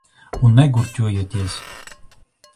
Un negurķojieties.